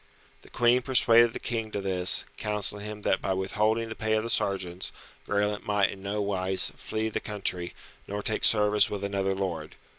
The Queen persuaded the King to this, counselling him that by withholding the pay of the sergeants, Graelent might in no wise flee the country, nor take service with another lord.